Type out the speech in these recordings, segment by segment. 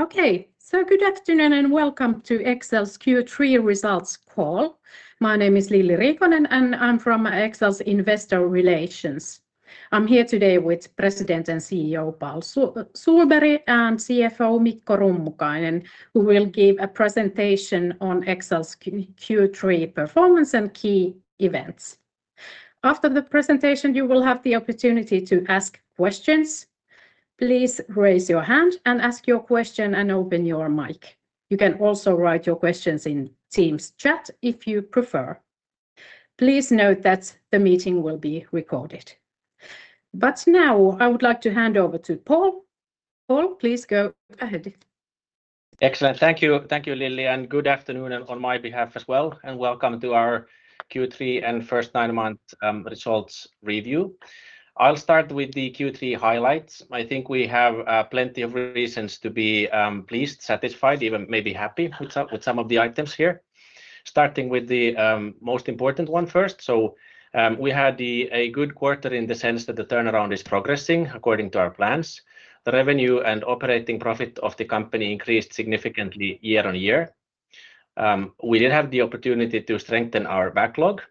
Okay, so good afternoon and welcome to Exel's Q3 results call. My name is Lilli Riikonen, and I'm from Exel's Investor Relations. I'm here today with President and CEO Paul Sohlberg and CFO Mikko Rummukainen, who will give a presentation on Exel's Q3 performance and key events. After the presentation, you will have the opportunity to ask questions. Please raise your hand and ask your question and open your mic. You can also write your questions in Teams chat if you prefer. Please note that the meeting will be recorded. But now I would like to hand over to Paul. Paul, please go ahead. Excellent. Thank you, Lilli, and good afternoon on my behalf as well. And welcome to our Q3 and first nine-month results review. I'll start with the Q3 highlights. I think we have plenty of reasons to be pleased, satisfied, even maybe happy with some of the items here. Starting with the most important one first. So we had a good quarter in the sense that the turnaround is progressing according to our plans. The revenue and operating profit of the company increased significantly year on year. We did have the opportunity to strengthen our backlog.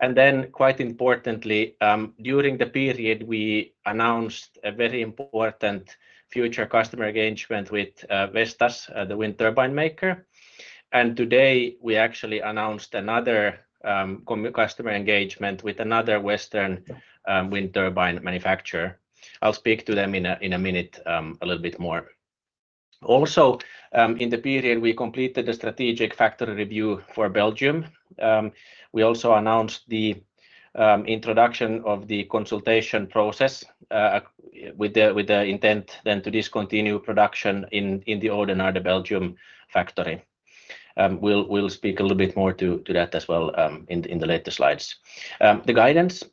And then, quite importantly, during the period, we announced a very important future customer engagement with Vestas, the wind turbine maker. And today we actually announced another customer engagement with another Western wind turbine manufacturer. I'll speak to them in a minute a little bit more. Also, in the period, we completed the strategic factory review for Belgium. We also announced the introduction of the consultation process with the intent then to discontinue production in the Oudenaarde Belgium factory. We'll speak a little bit more to that as well in the later slides. The guidance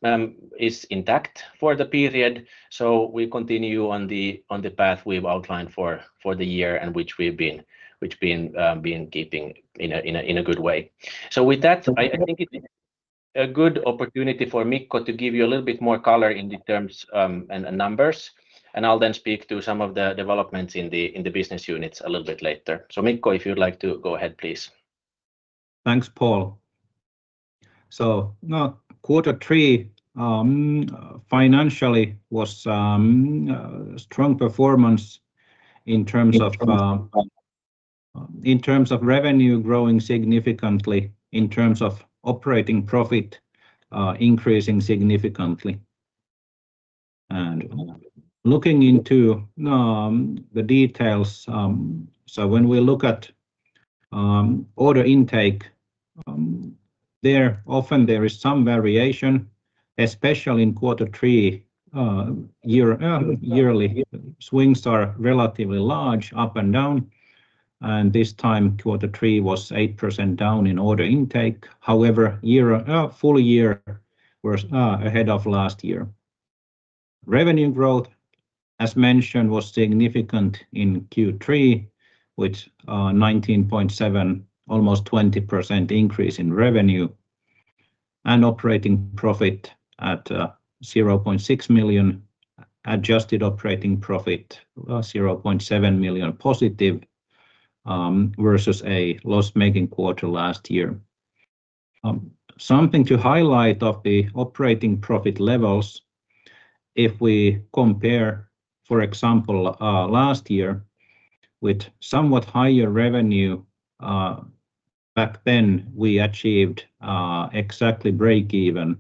is intact for the period, so we continue on the path we've outlined for the year and which we've been keeping in a good way. So with that, I think it's a good opportunity for Mikko to give you a little bit more color in the terms and numbers. And I'll then speak to some of the developments in the business units a little bit later. So Mikko, if you'd like to go ahead, please. Thanks, Paul. Quarter three financially was a strong performance in terms of revenue growing significantly, in terms of operating profit increasing significantly. Looking into the details, when we look at order intake, there often is some variation, especially in quarter three. Yearly swings are relatively large up and down. This time quarter three was 8% down in order intake. However, full year was ahead of last year. Revenue growth, as mentioned, was significant in Q3 with 19.7%, almost 20% increase in revenue and operating profit at 0.6 million, adjusted operating profit 0.7 million positive versus a loss-making quarter last year. Something to highlight of the operating profit levels, if we compare, for example, last year with somewhat higher revenue back then, we achieved exactly break-even.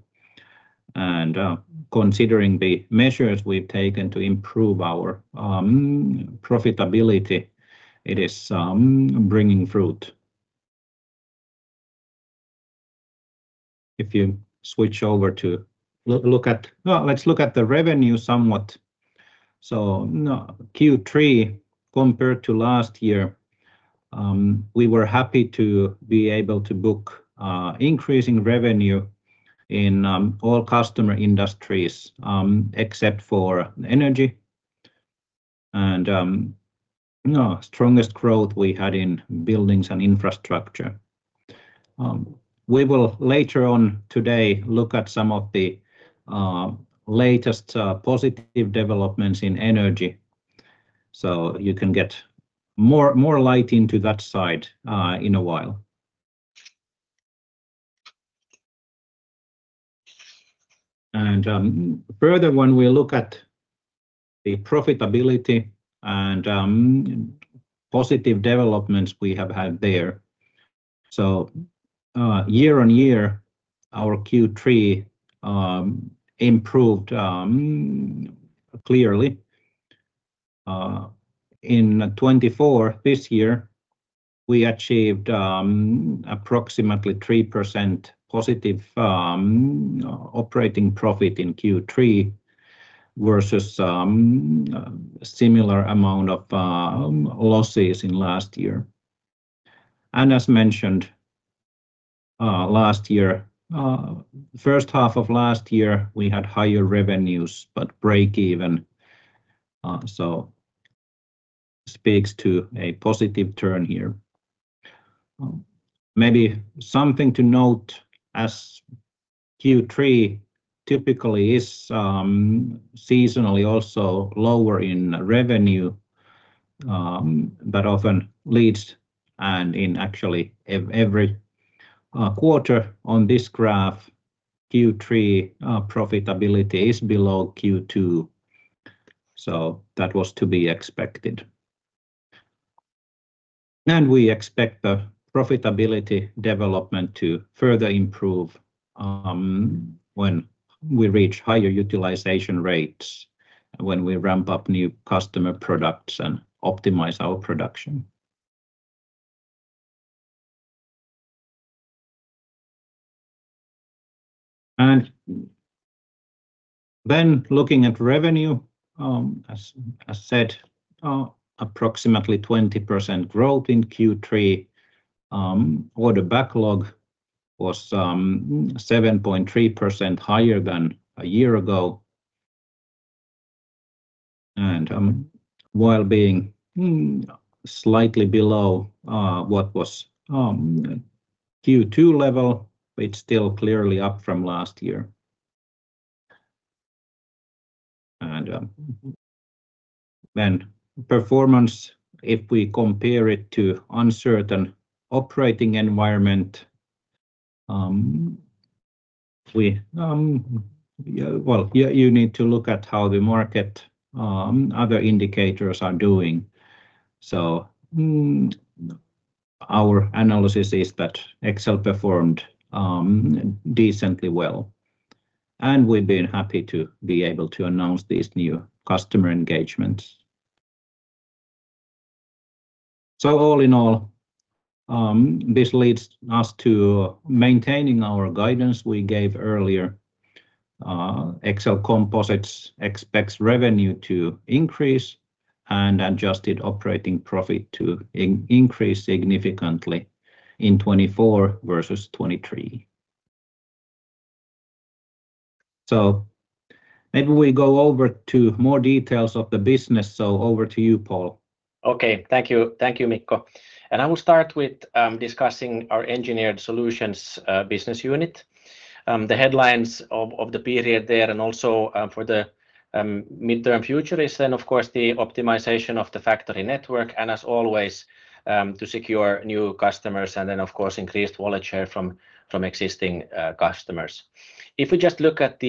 Considering the measures we've taken to improve our profitability, it is bringing fruit. If you switch over to look at, let's look at the revenue somewhat, so Q3 compared to last year, we were happy to be able to book increasing revenue in all customer industries except for energy, and strongest growth we had in buildings and infrastructure. We will later on today look at some of the latest positive developments in energy, so you can get more light into that side in a while, and further, when we look at the profitability and positive developments we have had there, so year on year, our Q3 improved clearly. In 2024, this year, we achieved approximately 3% positive operating profit in Q3 versus a similar amount of losses in last year, and as mentioned, last year, first half of last year, we had higher revenues but break-even, so speaks to a positive turn here. Maybe something to note as Q3 typically is seasonally also lower in revenue, but often leads, and in actually every quarter on this graph, Q3 profitability is below Q2, so that was to be expected. And we expect the profitability development to further improve when we reach higher utilization rates, when we ramp up new customer products and optimize our production. And then looking at revenue, as said, approximately 20% growth in Q3. Order backlog was 7.3% higher than a year ago. And while being slightly below what was Q2 level, it's still clearly up from last year. And then performance, if we compare it to uncertain operating environment, well, you need to look at how the market other indicators are doing, so our analysis is that Exel performed decently well, and we've been happy to be able to announce these new customer engagements. So all in all, this leads us to maintaining our guidance we gave earlier. Exel Composites expects revenue to increase and adjusted operating profit to increase significantly in 2024 versus 2023. So maybe we go over to more details of the business. So over to you, Paul. Okay, thank you, Mikko, and I will start with discussing our Engineered Solutions business unit. The headlines of the period there and also for the midterm future is then, of course, the optimization of the factory network and, as always, to secure new customers and then, of course, increased wallet share from existing customers. If we just look at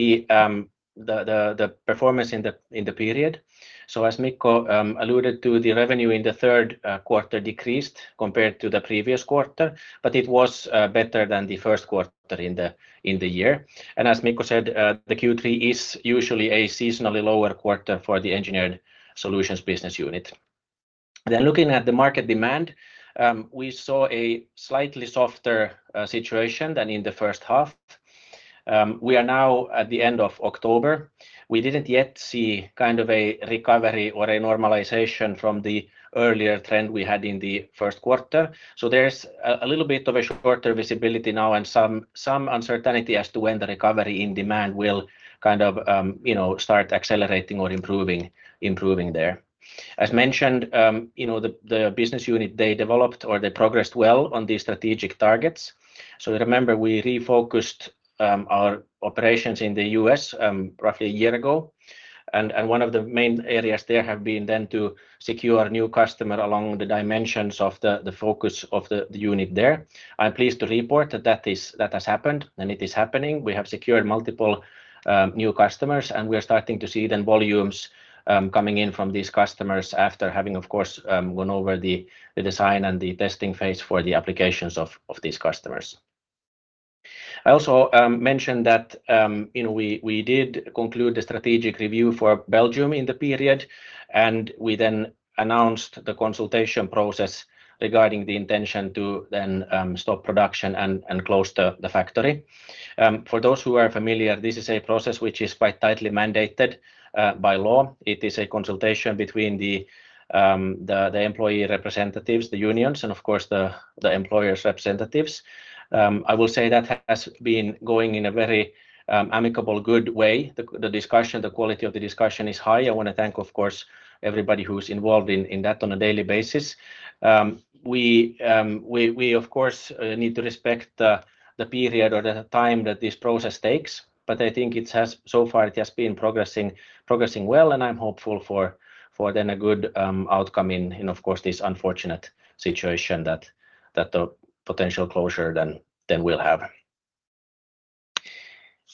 the performance in the period, so as Mikko alluded to, the revenue in the third quarter decreased compared to the previous quarter, but it was better than the first quarter in the year, and as Mikko said, the Q3 is usually a seasonally lower quarter for the Engineered Solutions business unit, then looking at the market demand, we saw a slightly softer situation than in the first half. We are now at the end of October. We didn't yet see kind of a recovery or a normalization from the earlier trend we had in the first quarter. So there's a little bit of a shorter visibility now and some uncertainty as to when the recovery in demand will kind of start accelerating or improving there. As mentioned, the business unit, they developed or they progressed well on these strategic targets. So remember, we refocused our operations in the U.S. roughly a year ago. And one of the main areas there has been then to secure new customers along the dimensions of the focus of the unit there. I'm pleased to report that that has happened and it is happening. We have secured multiple new customers and we are starting to see then volumes coming in from these customers after having, of course, gone over the design and the testing phase for the applications of these customers. I also mentioned that we did conclude the strategic review for Belgium in the period, and we then announced the consultation process regarding the intention to then stop production and close the factory. For those who are familiar, this is a process which is quite tightly mandated by law. It is a consultation between the employee representatives, the unions, and of course, the employers' representatives. I will say that has been going in a very amicable, good way. The discussion, the quality of the discussion is high. I want to thank, of course, everybody who's involved in that on a daily basis. We, of course, need to respect the period or the time that this process takes, but I think so far it has been progressing well, and I'm hopeful for then a good outcome in, of course, this unfortunate situation that the potential closure then will have.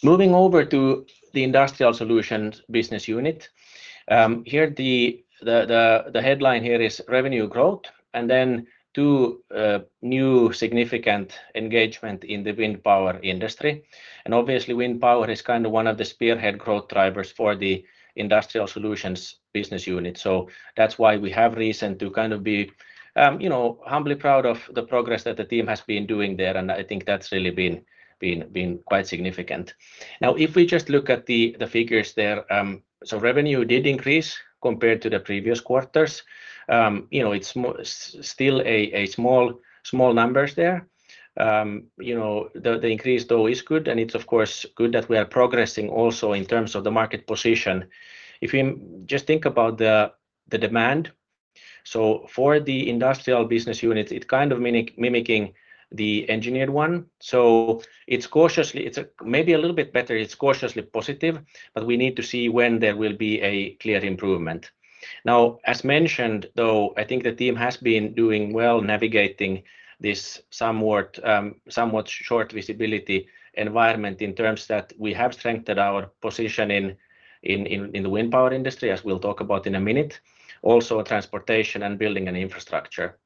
Moving over to the Industrial Solutions business unit. Here, the headline here is revenue growth and then two new significant engagements in the wind power industry. And obviously, wind power is kind of one of the spearhead growth drivers for the Industrial Solutions business unit. So that's why we have reason to kind of be humbly proud of the progress that the team has been doing there. And I think that's really been quite significant. Now, if we just look at the figures there, so revenue did increase compared to the previous quarters. It's still a small numbers there. The increase, though, is good, and it's, of course, good that we are progressing also in terms of the market position. If you just think about the demand, so for the industrial business unit, it's kind of mimicking the engineered one. So it's maybe a little bit better. It's cautiously positive, but we need to see when there will be a clear improvement. Now, as mentioned, though, I think the team has been doing well navigating this somewhat short visibility environment in terms that we have strengthened our position in the wind power industry, as we'll talk about in a minute, also transportation and building and infrastructure.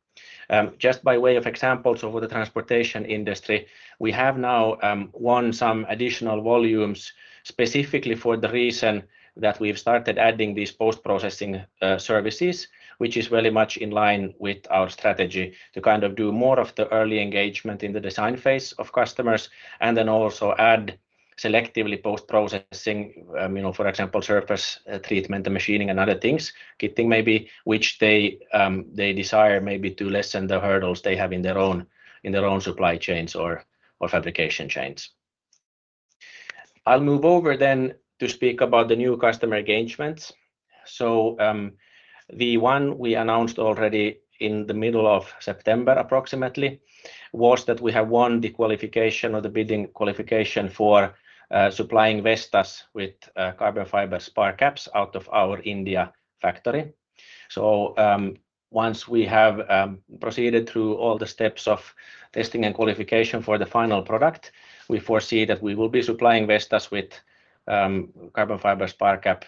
Just by way of examples of the transportation industry, we have now won some additional volumes specifically for the reason that we've started adding these post-processing services, which is very much in line with our strategy to kind of do more of the early engagement in the design phase of customers and then also add selectively post-processing, for example, surface treatment and machining and other things, keeping maybe which they desire maybe to lessen the hurdles they have in their own supply chains or fabrication chains. I'll move over then to speak about the new customer engagements. So the one we announced already in the middle of September, approximately, was that we have won the qualification or the bidding qualification for supplying Vestas with carbon fiber spar caps out of our India factory. So once we have proceeded through all the steps of testing and qualification for the final product, we foresee that we will be supplying Vestas with carbon fiber spar cap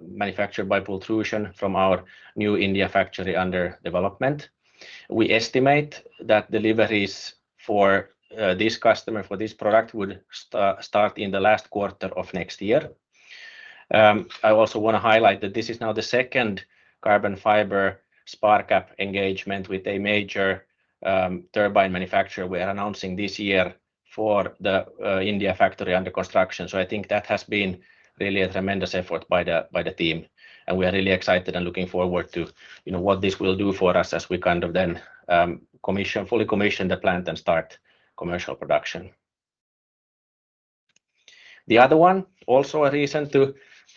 manufactured by pultrusion from our new India factory under development. We estimate that deliveries for this customer for this product would start in the last quarter of next year. I also want to highlight that this is now the second carbon fiber spar cap engagement with a major turbine manufacturer. We are announcing this year for the India factory under construction. So I think that has been really a tremendous effort by the team. And we are really excited and looking forward to what this will do for us as we kind of then fully commission the plant and start commercial production. The other one, also a reason to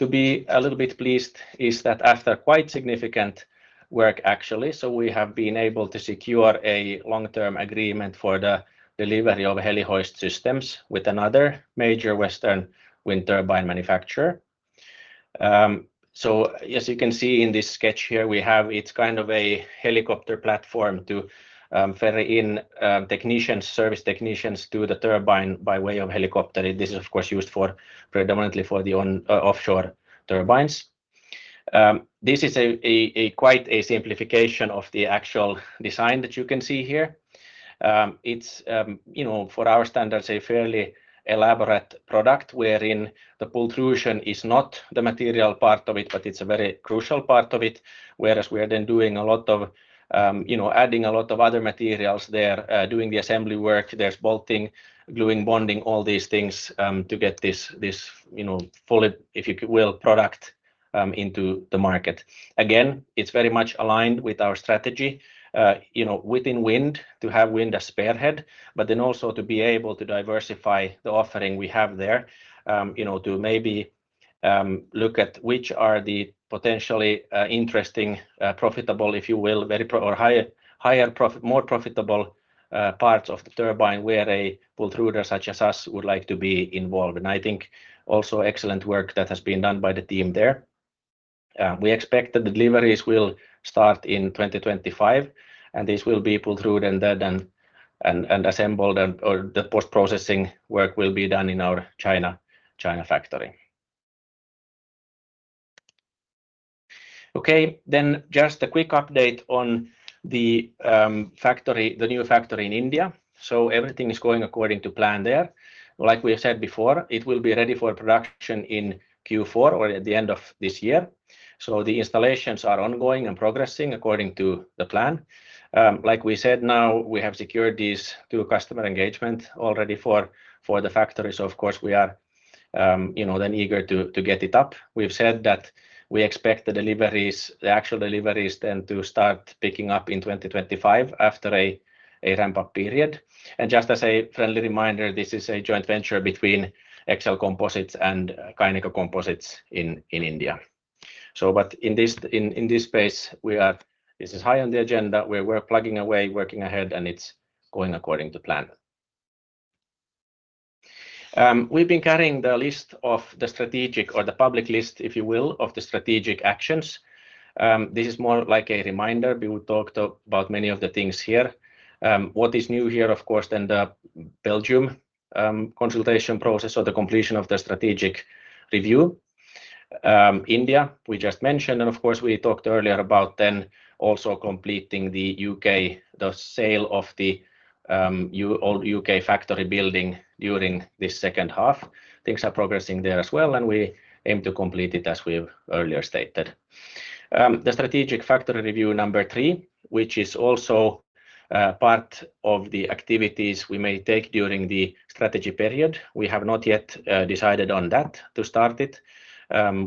be a little bit pleased, is that after quite significant work, actually, so we have been able to secure a long-term agreement for the delivery of heli-hoist systems with another major Western wind turbine manufacturer. So as you can see in this sketch here, we have. It's kind of a helicopter platform to ferry in service technicians to the turbine by way of helicopter. This is, of course, used predominantly for the offshore turbines. This is quite a simplification of the actual design that you can see here. It's, for our standards, a fairly elaborate product wherein the pultrusion is not the material part of it, but it's a very crucial part of it, whereas we are then doing a lot of adding a lot of other materials there, doing the assembly work. There's bolting, gluing, bonding, all these things to get this fully, if you will, product into the market. Again, it's very much aligned with our strategy within wind to have wind as a spearhead, but then also to be able to diversify the offering we have there to maybe look at which are the potentially interesting, profitable, if you will, or higher profit, more profitable parts of the turbine where a pultruder such as us would like to be involved. And I think also excellent work that has been done by the team there. We expect that the deliveries will start in 2025, and these will be pultruded and then assembled, or the post-processing work will be done in our China factory. Okay, then just a quick update on the new factory in India. So everything is going according to plan there. Like we said before, it will be ready for production in Q4 or at the end of this year. So the installations are ongoing and progressing according to the plan. Like we said, now we have secured these two customer engagements already for the factories. Of course, we are then eager to get it up. We've said that we expect the actual deliveries then to start picking up in 2025 after a ramp-up period. And just as a friendly reminder, this is a joint venture between Exel Composites and Kineco Composites in India. So, but in this space, this is high on the agenda. We're plugging away, working ahead, and it's going according to plan. We've been carrying the list of the strategic or the public list, if you will, of the strategic actions. This is more like a reminder. We will talk about many of the things here. What is new here, of course, then the Belgium consultation process or the completion of the strategic review. India, we just mentioned. And of course, we talked earlier about then also completing the U.K., the sale of the old U.K. factory building during this second half. Things are progressing there as well, and we aim to complete it as we've earlier stated. The strategic factory review number three, which is also part of the activities we may take during the strategy period. We have not yet decided on that to start it.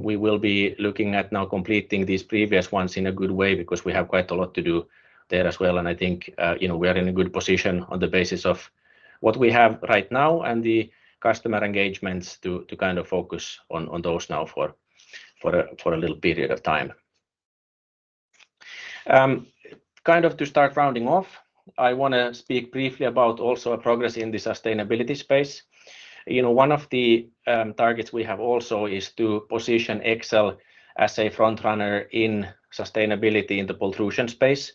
We will be looking at now completing these previous ones in a good way because we have quite a lot to do there as well. And I think we are in a good position on the basis of what we have right now and the customer engagements to kind of focus on those now for a little period of time. Kind of to start rounding off, I want to speak briefly about also a progress in the sustainability space. One of the targets we have also is to position Exel as a front runner in sustainability in the pultrusion space.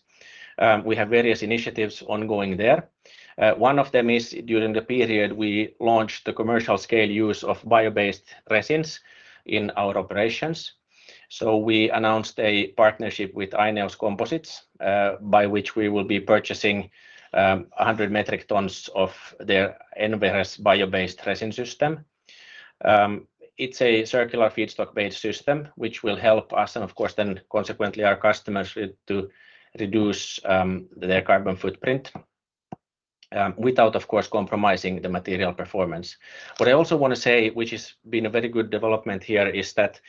We have various initiatives ongoing there. One of them is during the period we launched the commercial scale use of bio-based resins in our operations. So we announced a partnership with INEOS Composites by which we will be purchasing 100 metric tons of their Envirez bio-based resin system. It's a circular feedstock-based system which will help us and, of course, then consequently our customers to reduce their carbon footprint without, of course, compromising the material performance. What I also want to say, which has been a very good development here, is that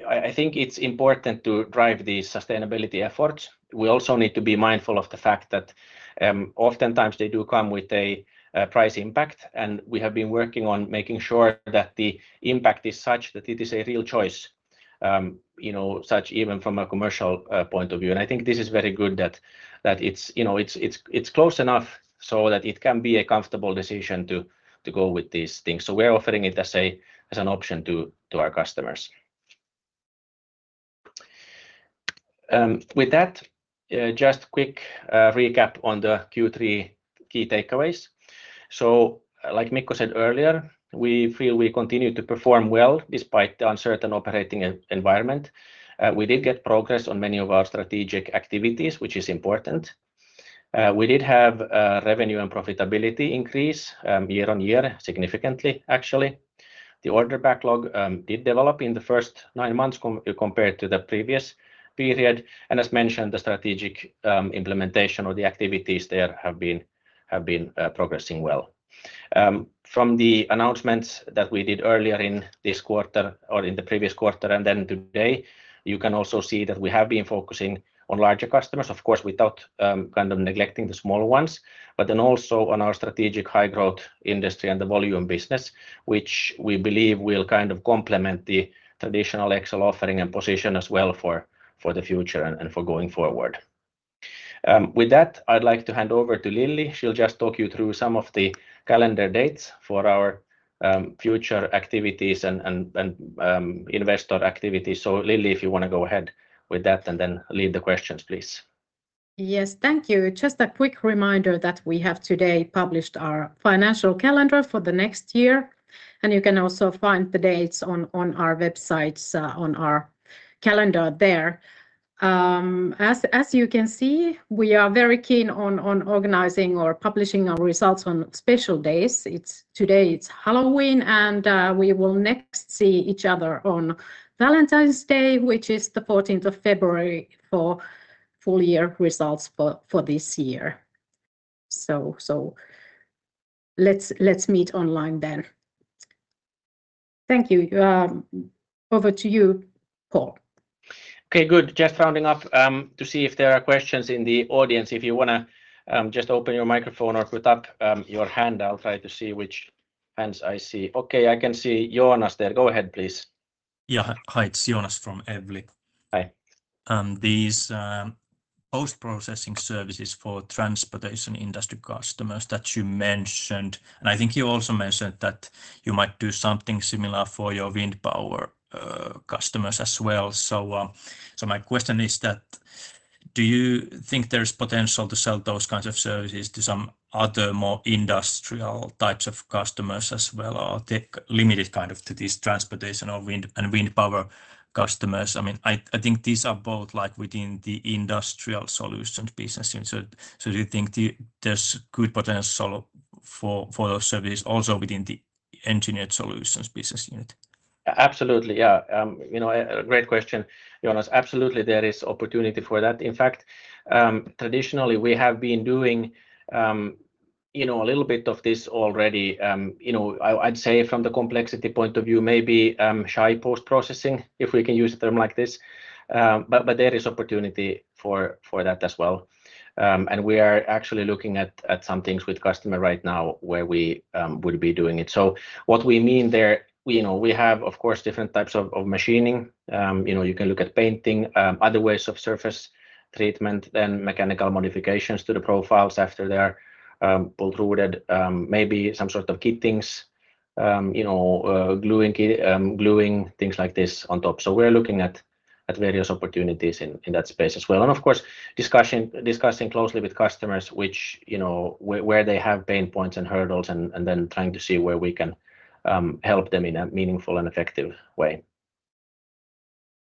I think it's important to drive these sustainability efforts. We also need to be mindful of the fact that oftentimes they do come with a price impact, and we have been working on making sure that the impact is such that it is a real choice, such even from a commercial point of view. And I think this is very good that it's close enough so that it can be a comfortable decision to go with these things. So we're offering it as an option to our customers. With that, just quick recap on the Q3 key takeaways. Like Mikko said earlier, we feel we continue to perform well despite the uncertain operating environment. We did get progress on many of our strategic activities, which is important. We did have revenue and profitability increase year-on-year significantly, actually. The order backlog did develop in the first nine months compared to the previous period. And as mentioned, the strategic implementation or the activities there have been progressing well. From the announcements that we did earlier in this quarter or in the previous quarter and then today, you can also see that we have been focusing on larger customers, of course, without kind of neglecting the small ones, but then also on our strategic high-growth industry and the volume business, which we believe will kind of complement the traditional Exel offering and position as well for the future and for going forward. With that, I'd like to hand over to Lilli. She'll just talk you through some of the calendar dates for our future activities and investor activities. So Lilli, if you want to go ahead with that and then lead the questions, please. Yes, thank you. Just a quick reminder that we have today published our financial calendar for the next year. And you can also find the dates on our websites, on our calendar there. As you can see, we are very keen on organizing or publishing our results on special days. Today it's Halloween, and we will next see each other on Valentine's Day, which is the 14th of February for full year results for this year. So let's meet online then. Thank you. Over to you, Paul. Okay, good. Just rounding off to see if there are questions in the audience. If you want to just open your microphone or put up your hand, I'll try to see which hands I see. Okay, I can see Joonas there. Go ahead, please. Yeah, hi. It's Joonas from Evli. These post-processing services for transportation industry customers that you mentioned, and I think you also mentioned that you might do something similar for your wind power customers as well. So my question is that do you think there's potential to sell those kinds of services to some other more industrial types of customers as well or limited kind of to these transportation or wind and wind power customers? I mean, I think these are both like within the Industrial Solutions business unit. So do you think there's good potential for those services also within the Engineered Solutions business unit? Absolutely. Yeah. Great question, Joonas. Absolutely, there is opportunity for that. In fact, traditionally, we have been doing a little bit of this already. I'd say from the complexity point of view, maybe shy of post-processing, if we can use a term like this. But there is opportunity for that as well. And we are actually looking at some things with customers right now where we would be doing it. So what we mean there, we have, of course, different types of machining. You can look at painting, other ways of surface treatment, then mechanical modifications to the profiles after they are pulled through, maybe some sort of kitting, gluing things like this on top. So we're looking at various opportunities in that space as well. And of course, discussing closely with customers where they have pain points and hurdles and then trying to see where we can help them in a meaningful and effective way.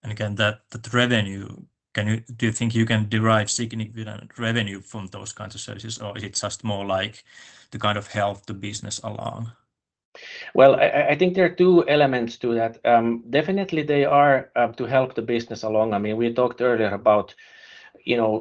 And again, that revenue, do you think you can derive significant revenue from those kinds of services, or is it just more like to kind of help the business along? Well, I think there are two elements to that. Definitely, they are to help the business along. I mean, we talked earlier about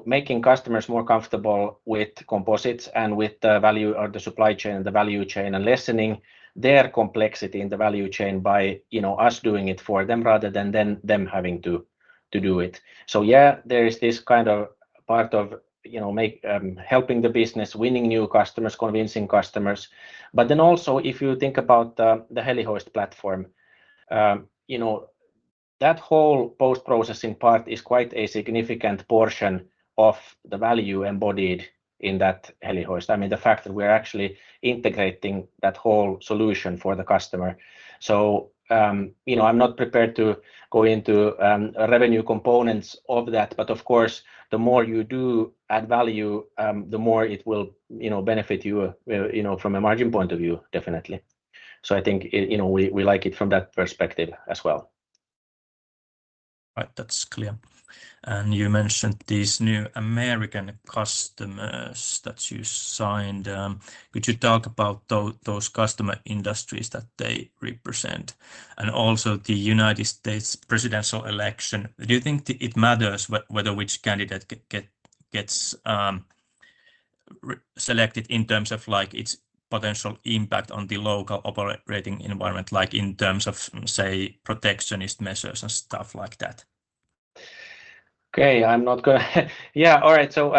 making customers more comfortable with composites and with the value or the supply chain and the value chain and lessening their complexity in the value chain by us doing it for them rather than them having to do it. So yeah, there is this kind of part of helping the business, winning new customers, convincing customers. But then also, if you think about the heli-hoist platform, that whole post-processing part is quite a significant portion of the value embodied in that heli-hoist.I mean, the fact that we are actually integrating that whole solution for the customer. So I'm not prepared to go into revenue components of that, but of course, the more you do add value, the more it will benefit you from a margin point of view, definitely. So I think we like it from that perspective as well. Right, that's clear. And you mentioned these new American customers that you signed. Could you talk about those customer industries that they represent and also the United States presidential election? Do you think it matters whether which candidate gets selected in terms of its potential impact on the local operating environment, like in terms of, say, protectionist measures and stuff like that? Okay, I'm not going to. Yeah, all right. So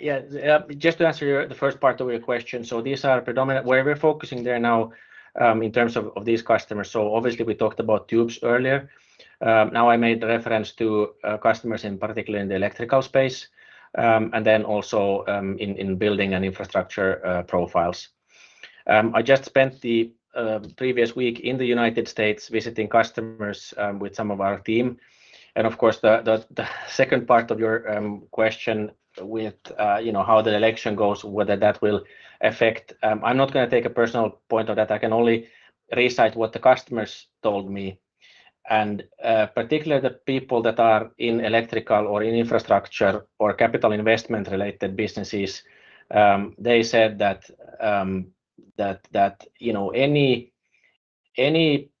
yeah, just to answer the first part of your question, so these are predominant where we're focusing there now in terms of these customers. So obviously, we talked about tubes earlier. Now I made reference to customers in particular in the electrical space and then also in building and infrastructure profiles. I just spent the previous week in the United States visiting customers with some of our team. And of course, the second part of your question with how the election goes, whether that will affect. I'm not going to take a personal point of that. I can only recite what the customers told me. And particularly the people that are in electrical or in infrastructure or capital investment-related businesses, they said that any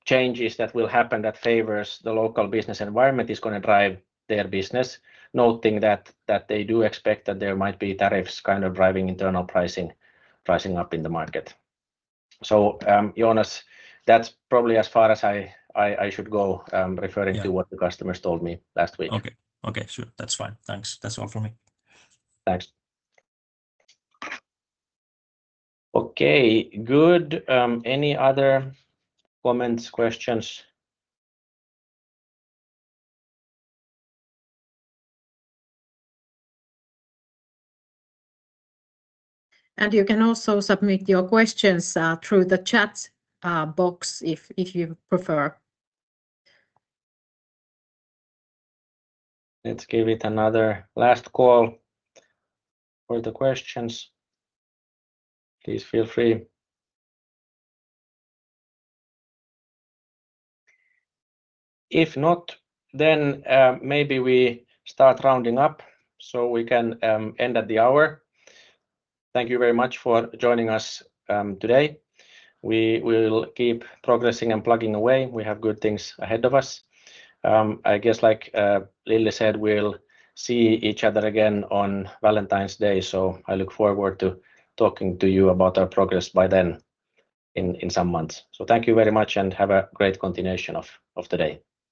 changes that will happen that favors the local business environment is going to drive their business, noting that they do expect that there might be tariffs kind of driving internal pricing up in the market. So Joonas, that's probably as far as I should go referring to what the customers told me last week. Okay, okay, sure. That's fine. Thanks. That's all for me. Thanks. Okay, good. Any other comments, questions? And you can also submit your questions through the chat box if you prefer. Let's give it another last call for the questions. Please feel free. If not, then maybe we start rounding up so we can end at the hour. Thank you very much for joining us today. We will keep progressing and plugging away. We have good things ahead of us. I guess, like Lilli said, we'll see each other again on Valentine's Day. So I look forward to talking to you about our progress by then in some months. So thank you very much and have a great continuation of the day.